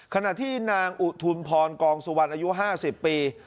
ขณะที่นางอุทุนพรกองสวรรค์อายุห้าสิบปี